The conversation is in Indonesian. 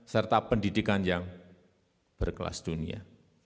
serta pendidikan yang berkelas dunia